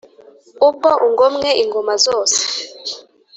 ubwo ungomwe ingoma zose